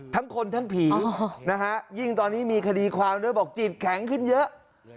ทั้งคนทั้งผีนะฮะยิ่งตอนนี้มีคดีความด้วยบอกจิตแข็งขึ้นเยอะ